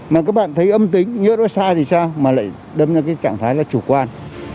mà các bạn thấy âm tính nhớ đó sai thì sao mà lại đâm ra cái trạng thái là chủ quan